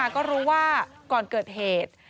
ก็รู้ว่าก่อนเกิดเหตุ